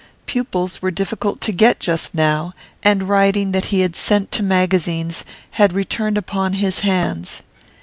Pupils were difficult to get just now, and writing that he had sent to magazines had returned upon his hands.